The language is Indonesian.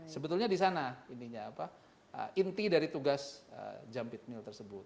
sebetulnya di sana intinya apa inti dari tugas jump it mill tersebut